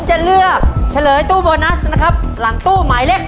อ้าวออกเลย